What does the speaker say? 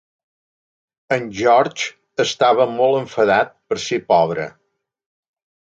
En George estava molt enfadat per ser pobre.